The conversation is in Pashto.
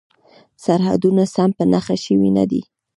سرحدونه سم په نښه شوي نه دي.